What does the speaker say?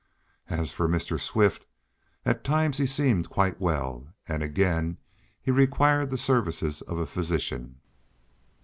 As for Mr. Swift, at times he seemed quite well, and again he required the services of a physician.